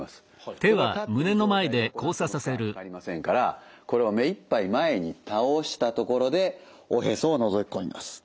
これ立ってる状態で行っても負荷がかかりませんからこれを目いっぱい前に倒したところでおへそをのぞき込みます。